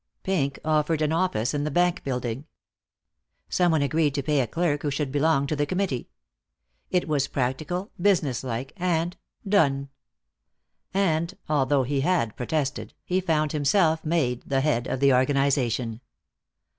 Pink offered an office in the bank building. Some one agreed to pay a clerk who should belong to the committee. It was practical, businesslike, and done. And, although he had protested, he found himself made the head of the organization.